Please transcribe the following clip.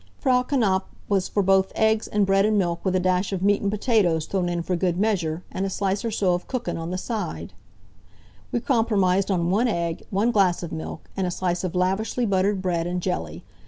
Frau Knapf was for both eggs and bread and milk with a dash of meat and potatoes thrown in for good measure, and a slice or so of Kuchen on the side. We compromised on one egg, one glass of milk, and a slice of lavishly buttered bread, and jelly.